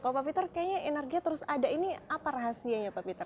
kalau pak peter kayaknya energinya terus ada ini apa rahasianya pak peter